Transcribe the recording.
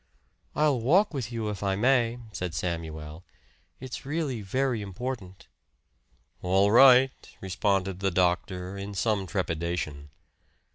"I'll walk with you, if I may," said Samuel. "It's really very important." "All right," responded the doctor in some trepidation.